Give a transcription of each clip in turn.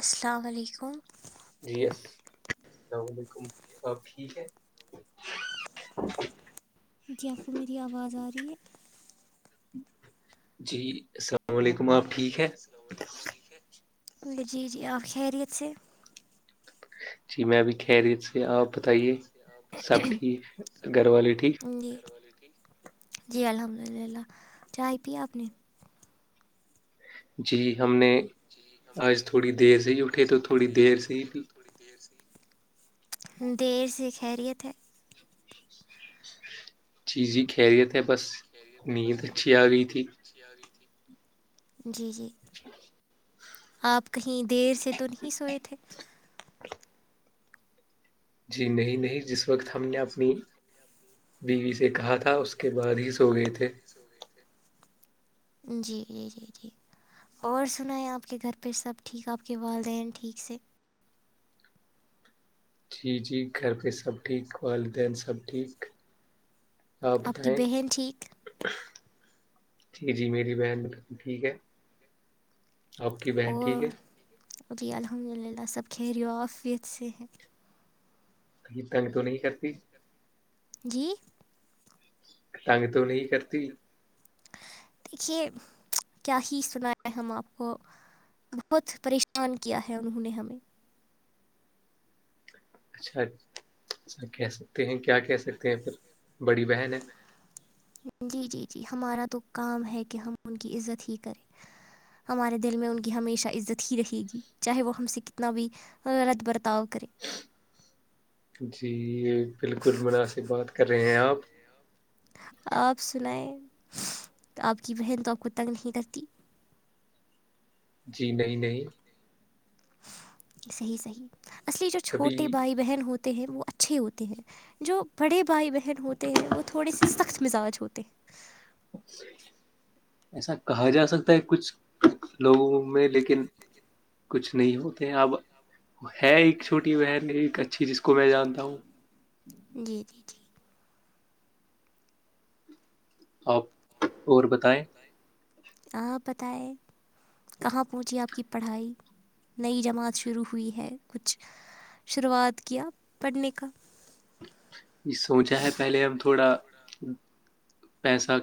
السلام علیکم جی یس اللام علیکم آب ٹھیک ہے جی آپ کو میری آواز آ رہی ہے جی السلام علیکم آپ ٹھیک ہے جی جی آپ کی خیریت سے جی میں بھی خھیریت میں بھی خہ رہی تھی ٹھیک آپ سب گھر والے ٹھیک گھر والی یک جی الحمد للہ چائے پیا آپ نے جی ہم نے جی ہم نے آج تھوڑی دیر سے ہی اٹھے آج تو تھوڑی دیر سے ہی اٹھے بھی تو تھوڑی دیر سے دیر سے خیریت ہے چیزیں کہریے تھے بس نیند اچھی آ گئی تھی ا ت جی جی آپ کہیں دیر سے تو نہیں سوئے تھے جی نہیں نہیں جس وقت ہم نے اپنی بیوی سے کہا تھا اس کے بعد ہی سو گئے تھے جی جی جی جی اور سنا ہے آپ کے گھر پہ سب ٹھیک آپ کے والدین ٹھیک سے جی جی گھر پہ سب ٹھیک والدین سب ٹھیک آپ کی بتائیں بہن ٹھیک جی جی میری بہن ٹھیک ہے آپ کی بہن ٹھیک ہے ابھی الحمد للہ سب کہریی ہو آفیت سے ہیں تنگ تو نہیں کرتی جی سگے تو نہیں ہی کرتے دیکھیے کیا ہی اس بنایں ہم آپ کو بہت پریشان کیا ہے انہوں نے ہمیں اچھا سر کہہ سکتے ہیں کیا کہہ سکتے ہیں پھر بڑی بہن ہے جی جی جی ہمارا تو کام ہے کہ ہم ان کی عزت ہی کریں ہمارے دل میں ان کی ہمیشہ عزت ہی رہے گی چاہے وہ ہم سے کتنا بھی اد برتااؤ کرری جی بالکل مناسب بات کر رہے ہیں آپ آپ سنائیں آپ کی بہن تو آپ کو تنگ نہیں کرتی جی نہیں نہیں صحیح صحیح اصلی جو ابھی چھوٹے بھائی بہن ہوتے ہیں وہ اچھے ہوتے ہیں جو بڑے بھائی بہن ہوتے ہیں وہ تھوڑے سے سخت مزاج ہوتے ہیں ایسا کہا جا سکتا ہے کچھ لوگوں میں لیکن کچھ نہیں ہوتے اب ہے ایک چھوٹی بہن اچ اچھی جس کو میں جانتا ہوں جی جی جی آپ اور بتائیں ہاں پت ہے کہاں پہنچی آپ کی پڑھائی نئی جماعت شروع ہوئی ہے کچھ شروعات کیا پڑھنے کا یہ سوچا ہے پہلے ہم تھوڑا پیسہ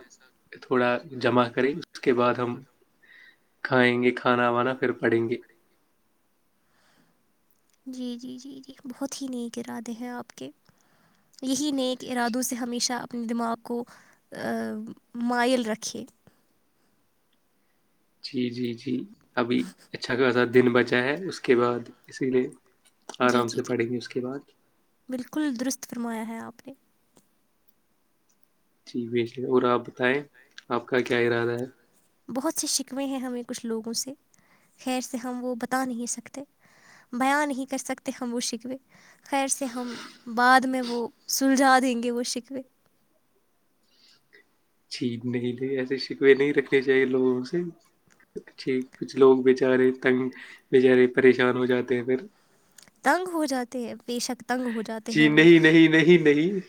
تھوڑا جمع کریں اس کے بعد ہم کھائیں گے کھانا وانا پھر پڑیں گے جی جی جی جی بہت ہی نیک ارادے ہیں آپ کے یہی نیک ارادوں سے ہمیشہ اپنے دماغ کو مائل رکھے جی جی جی ابھی اچھا خاصا دن بچا ہے اس کے بعد اسی لیے جی آرام جی سے جی پڑھیں گی اس کے بعد بالکل درست فرمایا ہے آپ نے جی بھیج اور آپ بتائیں آپ کا کیا ارادہ ہے بہت سے شکوے ہیں ہمیں کچھ لوگوں سے خیر سے ہم وہ بتا نہیں سکتے بیاں نہیں کر سکتے ہم وہ سکھوے خیر سے ہم بعد میں وہ سلجھا دیں گے وہ شکوے چھین نہیں لے ایسے شکوے نہیں رکھنے چاہیے لوگوں سے اچھی کچھ لوگ بچارے تنگ بچارے پریشان ہو جاتے ہیں پھر تنگ ہو جاتے ہیں پیشک تنگ ہو جات جی نہیں نہیں نہیں نہیں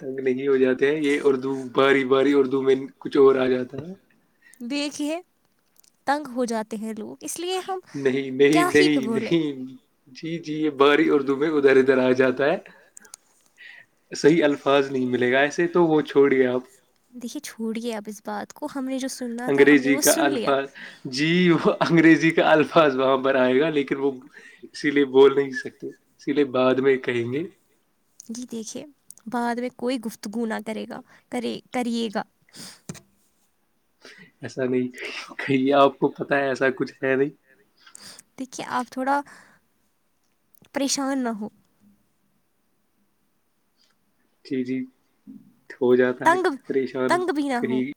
تنگ نہیں ہو جاتا یہ اردو باری باری اردو میں کچھ اور آ جاتا ہے دھے تنگ ہو جاتے ہیں لوگ اس لیے ہم نہیں کیا نہیں ہی نہیں بولیں نہیں جی جی یہ باری اور دبے ادھر ادھر آ جاتا ہے صحیح الفاظ نہیں ملے گا ایسے تو وہ چھوڑ گئے آپ دیکھیے چھوڑیے اب اس بات کو ہم نے جو سننا تھا ہم نے انگریزی وہ کا سن لیا الفاظ جی وہ انگریزی کا الفاظ وہاں پر آئے گا لیکن وہ اسی لیے بول نہیں سکتے اسی لیے بعد میں کہیں گے ج دیکھے بعد میں کوئی گفتگو نہ کرے گا کرے کریے گا ایسا نہیں کہ آپ کو پتا ہے ایسا کچھ ہے نہیں دیکھیے آپ تھوڑا پریشان نہ ہو چیزیں ہو جاتا ہے تنگ پریشان تنگ بھی نہ ہو کہیں [inaudible]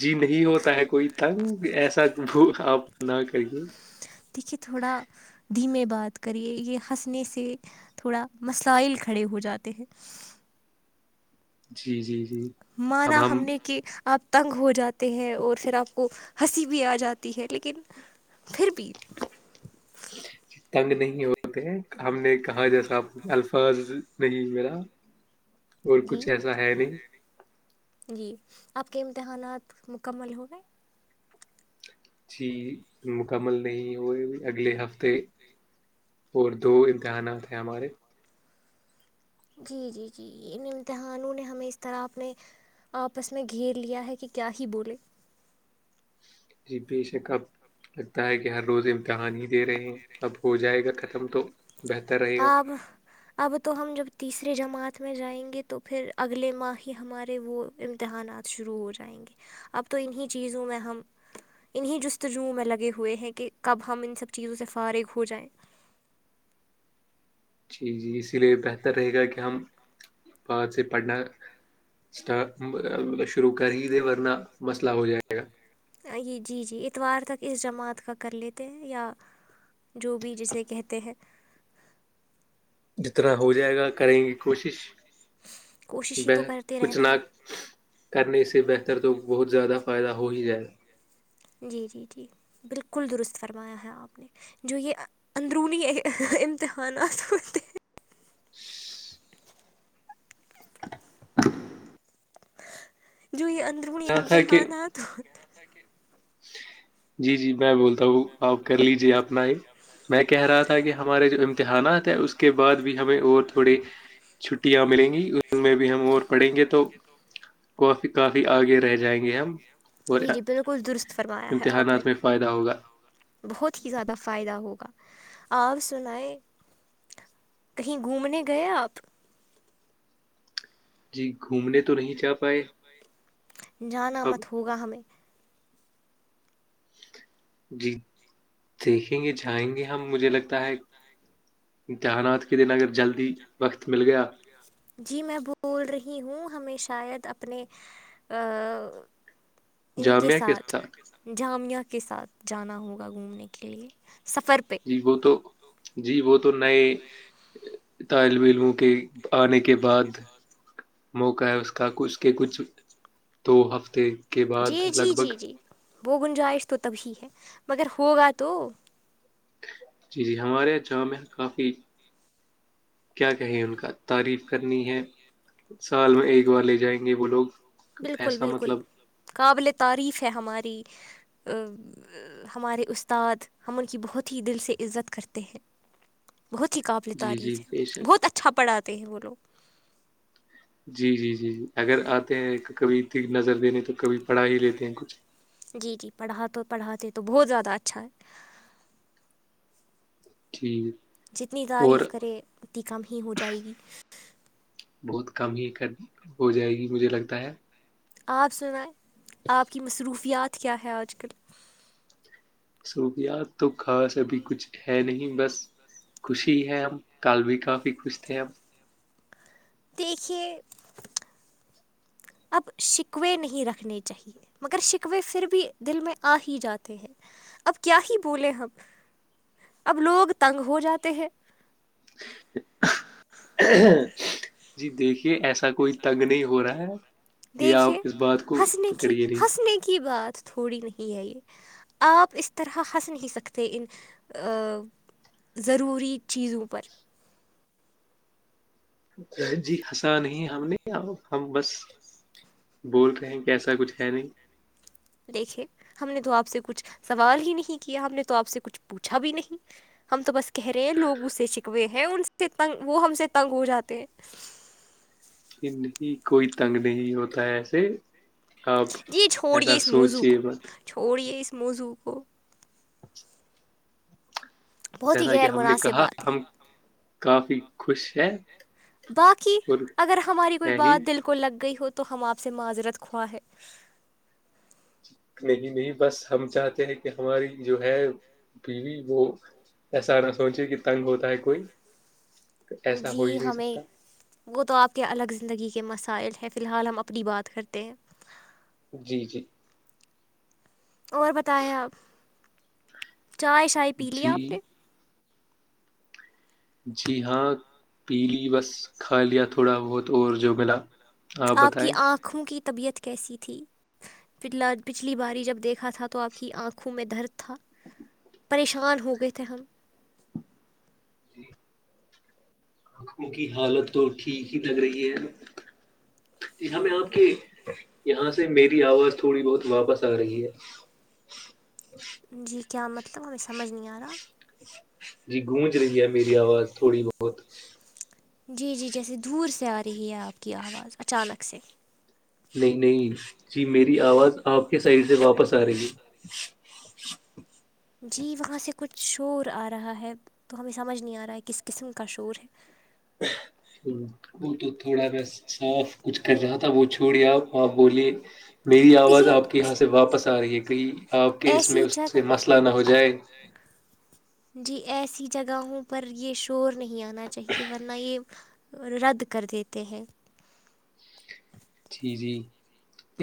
جی نہیں ہوتا ہے کوئی تنگ ایسا آپ نہ کریے دیکھیے تھوڑا دھیمے بات کریے یہ ہنسنے سے تھوڑا مسائل کھڑے ہو جاتے ہیں جی جی جی مانا ہم نے کہ آپ تنگ ہو جاتے ہیں اور پھر آپ کو ہنسی بھی آ جاتی ہے لیکن پھر بھی [inaudible] تنگ نہیں ہوتے ہم نے کہاں جیسا آپ الفاظ نہیں میرا جی جی آپ کے امتحانات مکمل ہووں گئے چیز مکمل نہیں ہوئے اگلے ہفتے اور دو امتحانات ہیں ہمارے جی جی جی [unintelligible] جی بیی ای سے کپ [unintelligible] لگتا ہے کہ ہر روز امتحان ہی دے رہے ہیں اب ہو جائے گا ختم تو بہتر رہے گا اب اب تو ہم جب تیسریے جماعت میں جائیں گے تو پھر اگلے ماہ ہی ہمارے وہ امتحانات شروع ہو جائیں گے اب تو انہیں چیزوں میں ہم انہیں جستجو میں لگے ہوئے ہیں کہ کب ہم ان سب چیزوں سے فارغ ہو جائیں جی جی اسی لیے بہتر رہے گا کہ ہم ب سے پڑنا اسٹ [inaudible] شرو کر ہی دے ورنہ مسئلہ ہو جائے گا یہ جی جی اتوار تک اس جماعت کا کر لیتے ہیں یا جو بھی جسے کہتے ہیں جتنا ہو جائے گا کریں گی کوشش کوشش ب ہی تو کرتے کچھ رہنا ہے ناک [inaudible] کرنے سے بہتر تو بہت زیادہ فائدہ ہو ہی جائے جی جی جی بالکل درست فرمایا ہے آپ نے جو یہ اندرونی امتحانات ہوتے ہیں جو یہ ادرونی کہا تھا کہ امتحان آ تو جی جی میں بولتا ہوں آپ کر لیجے اپنا ہی میں کہہ رہا تھا کہ ہمارے جو امتحانات ہیں اس اس کے بعد بھی ہمیں اور تھوڑے چھٹیاں ملیں گی ان میں بھی ہم اور پڑھیں گے تو کافی کافی آگے رہ جائیں گے ہم اور جی جی درست فرمایا ہے آپ نے امتحانات میں فائدہ ہوگا بہت ہی زیادہ فائدہ ہوگا آپ سنائیں کہیں گھومنے گئے آپ جی گھومنے تو نہیں جا پائے جانا اب مت ہوگا ہمیں جی دیکھیں گے جائیں گے ہم مجھے لگتا ہے امتحانات کے دن اگر جلدی وقت مل گیا جی میں بول رہی ہوں ہمیں شاید اپنے ان کے ساتھ جامعہ کے ساتھ جانا ہوگا گھومنے کے لیے سفر پہ وہ تو جی وہ تو نئے طالب علموں کے آنے کے بعد موقع ہے اس کا اس کے کچھ دو ہفتے کے بعد جی جی لگ بھگ جی جی وہ گنجائش تو تبھی ہے مگر ہوگا تو جی جی ہمارے یہاں جامع کافی کیا کہیں ان کا تعریف کرنی ہے سال میں ایک بار لے جائیں گے وہ لوگ بالکل ایسا بالکل مطلب قابل تعریف ہے ہماری ہمارے استاد ہم ان کی بہت ہی دل سے عزت کرتے ہیں بہت ہی قابل جی جی تعریف بے ہے شک بہت اچھا پڑھاتے ہیں وہ لوگ جی جی جی جی اگر آتے ہیں کبھی ت نظر دینے تو کبھی پڑھا ہی لیتے ہیں کچھ جی جی پڑھات تو پڑھاتے تو بہت زیادہ اچھا ہے ٹھیک جتنی تعریف کرے اتنی کم ہی ہو جائے گی بہت کم ہی ک ہو جائے گی مجھے لگتا ہے آپ سنائیں آپ کی مصروفیات کیا ہے آج کل سکیات تو خاص ابھی کچھ ہے نہیں بس خوشی ہے ہم کل بھی کافی خوش تھے اب دیکھیے اب شکوے نہیں رکھنے چاہیے مگر شکوے پھر بھی دل میں آ ہی جاتے ہیں اب کیا ہی بولولے ہم اب لوگ تنگ ہو جاتے ہیں ہاں جی دیکھیے ایسا کوئی تنگ نہیں ہو رہا ہے یہ آپ دیکھیے اس بات کو ہنسنے کی پکڑیے نہیں ہنسنے کی بات تھوڑی نہیں ہے یہ آپ اس طرح ہنس نہیں سکتے ان ضروری چیزوں پر جی ہنسا نہیں ہم نے ہم بس بول رہے ہیں کہ ایسا کچھ ہے نہیں دیکھے ہم نے تو آپ سے کچھ سوال ہی نہیں کیا ہم نے تو آپ سے کچھ پوچھا بھی نہیں ہم تو بس کہہ رہے ہیں لوگ اس سے چکوے ہیں ان سے تنگ وہ ہم سے تنگ ہو جاتے ہیں نہیں کوئی تنگ نہیں ہوتا ہے ایسے آپ جی چھوڑیے ایسا اس موضوع کو سوچیے مت چھوڑیے اس موضوع کو اچھا بہت ہی غیر نے مناسب کہا بات ہے ہم کافی خوش ہیں باقی اور اگر ہماری کوئی ہے ہی بات دلک کو لگ گئی ہو تو ہم آپ سے معذرت خوا ہے نہیں نہیں بس ہم چاہتے ہیں کہ ہماری جو ہے بیوی وہ ایسا نہ سوچے کہ تنگ ہوتا ہے کوئی ایسا ہو ہی جی نہیں ہمیں سکتا وہ تو آپ کے الگ زندگی کے مسائل ہیں فی الحال ہم اپنی بات کرتے ہیں جی جی اور بتائے آپ چائے شائے پی لی آپ جی نے جی ہاں پیلی وس کھا لیا تھوڑا بہت اور جو ملا آپ بتائیں آکھوں کی طبیعت کیسی تھی پلا پچھلی باری جب دیکھا تھا تو آپ کی آنکھوں میں درد تھا پریشان ہو گئے تھے ہم آنکھوں کی حالت تو ٹھیک ہی لگ رہی ہے جی ہمیں آپ کہ یہاں سے میری آواز تھوڑی بہت واپس آ رہی ہے جی کیا مطلب ہمیں سمجھ نہیں آ رہا جی گونج رہی ہے میری آواز تھوڑی بہت جی جی جیسے دور سے آ رہی ہے آپ کی آواز اچانک سے نہیں نہیں جی میری آواز آپ کے سائڈ سے واپس آ رہے گی جی وہاں سے کچھ شور آ رہا ہے تو ہمیں سمجھ نہیں آ رہا ہے کس قسم کا شور ہے ہ اٹ تھوڑا میں صاف کچھ کر رہا تھا وہ چھوڑی آپ آپ بولیے میری آواز دیکھیے آپ یہاں سے واپس آ رہی ہے کہئی آپ کے اس میں ایسی اس سے جگہ مسئلہ نہ ہو جائے جی ایسی جگہوں پر یہ شور نہیں آنا چاہیے ورنہ یہ رد کر دیتے ہیں جی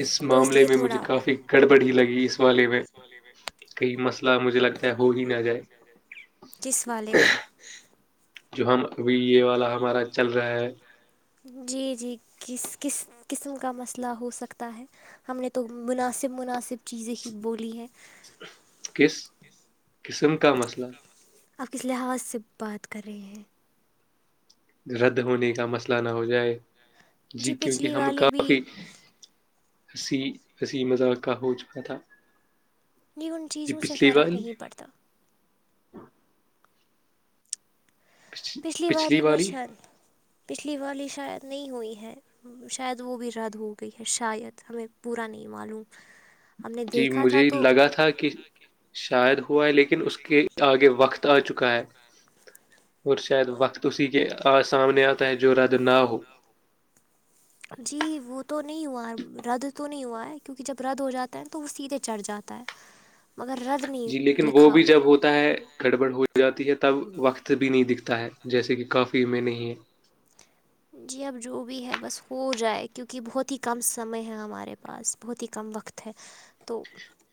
اس تو معاملے لیے میں مجھے تھوڑا کافی گڑبڑ ہی لگی اس گڑبڑی والے لگی میں اس والے میں کئی مسئلہ مجھے لگتا ہے ہو ہی نہ جائے کس والے میں جو ہم ابھی یہ والا ہمارا چل رہا ہے جی جی کس کس قسم کا مسئلہ ہو سکتا ہے ہم نے تو مناسب مناسب چیزیں ہی بولی ہیں کس قسم کا مسئلہ آپ کس لحاظ سے بات کر رہے ہیں رد ہونے کا مسئلہ نہ ہو جائے جی کیونکہ پچھلی ہم والی بھی کافی ہنسی ہنسی مذاق کا ہو چکا تھا یہ ان جی چیزوں سے پچھلی فرق والی نہیں پڑتا پچھ- پچھلی واری والی بچن پچھلی بار شاید نہیں ہوئی ہے شاید وہ بھی رد ہو گئی ہے شاید ہمیں پورا نہیں معلوم ہم نے دیکھا تھا تو لگا تھا کہ شاید ہوا ہے لیکن اس کے آگے وقت آ چکا ہے اور شاید وقت اسی کے سامنے آتا ہے جو رد نہ ہو جی وہ تو نہیں ہوا رد تو نہیں ہوا ہے کیونکہ جب رد ہو جاتا ہے تو وہ سیدھے چڑھ جاتا ہے مگر رد جی نہیں لیکن وہ لکھا بھی ہو جب ہوتا ہے گڑبڑ ہو جاتی ہے تب وقت بھی نہیں دکھتا ہے جیسے کہ کافی میں نہیں ہے جی اب جو بھی ہے بس ہو جائے کیونکہ بہت ہی کم سمے ہے ہمارے پاس بہت ہی کم وقت ہے تو